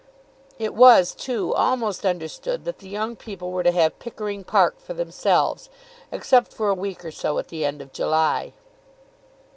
It was, too, almost understood that the young people were to have Pickering Park for themselves, except for a week or so at the end of July.